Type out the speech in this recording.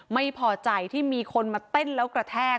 ไม่พอใจที่มีคนมาเต้นแล้วกระแทก